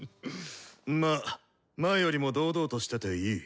まぁ前よりも堂々としてていい。